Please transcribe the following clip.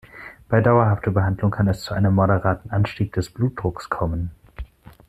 Bei dauerhafter Behandlung kann es zu einem moderaten Anstieg des Blutdrucks kommen.